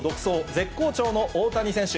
絶好調の大谷選手。